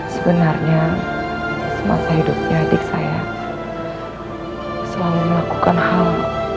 sebenarnya semasa hidupnya adik saya selalu melakukan hal